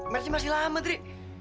merci masih lama diri